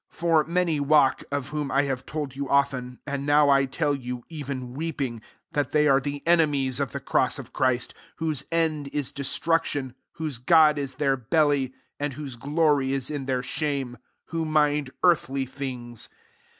18 For many walk, of whom I have told you often, and now I tell you, even weep ing, that they are the enemies of the cross of Christ ; 19 whose end is destruction, whose God ia their belly, and ivhoae glory ia in their shame: who mind earthly things.